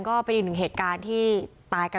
ก็เป็นอีกหนึ่งเหตุการณ์ที่ตายกัน